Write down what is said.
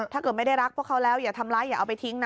ถ้าเกิดไม่ได้รักพวกเขาแล้วอย่าทำร้ายอย่าเอาไปทิ้งนะ